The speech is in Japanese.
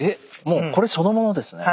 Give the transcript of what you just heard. もうこれそのものですね。